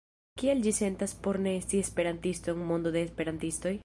Kiel ĝi sentas por ne esti esperantisto en mondo de esperantistoj?